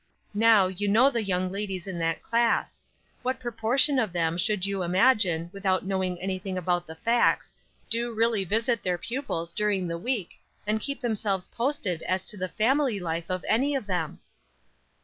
Now, you know the young ladies in that class. What proportion of them, should you imagine, without knowing anything about the facts, do really visit their pupils during the week and keep themselves posted as to the family life of any of them?"